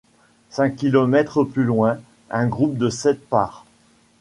Cinq kilomètres plus loin, un groupe de sept part.